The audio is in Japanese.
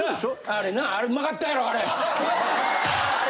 あれなあれうまかったやろあれ。